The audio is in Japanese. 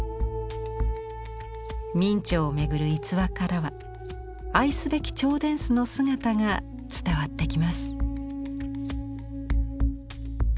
明兆をめぐる逸話からは愛すべき兆殿司の姿が伝わってきます。